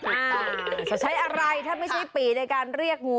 จะใช้อะไรถ้าไม่ใช่ปี่ในการเรียกงู